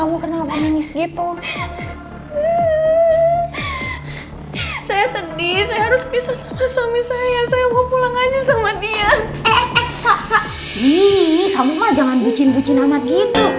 mbak kamu mah jangan bucin bucin amat gitu